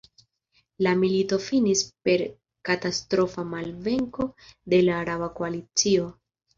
La milito finis per katastrofa malvenko de la araba koalicio.